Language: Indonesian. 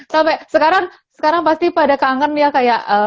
sampai sekarang sekarang pasti pada kangen ya kayak